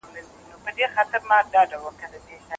هیله ده چې یوه ورځ ټولې نجونې زده کړې وکړي.